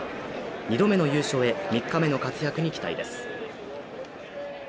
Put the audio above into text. ２度目の優勝へ３日目の活躍に期待です。